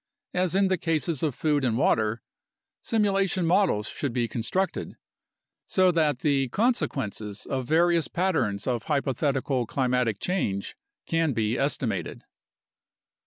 As in the cases of food and water, simulation models should be constructed, so that the consequences of various patterns of hypothetical climatic change can be estimated.